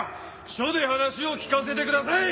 署で話を聞かせてください。